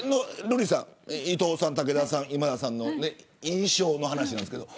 伊藤さん、武田さん今田さんの印象の話なんですけれど。